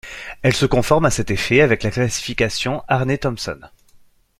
Elle se conforme à cet effet avec la classification Aarne-Thompson.